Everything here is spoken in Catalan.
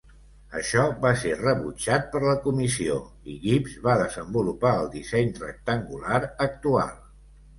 Això va ser rebutjat per la comissió, i Gibbs va desenvolupar el disseny rectangular actual.